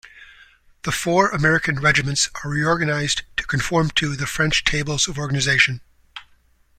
The four American regiments are reorganized to conform to the French tables of organization.